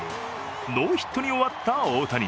ノーヒットに終わった大谷。